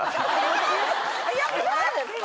早くないですか？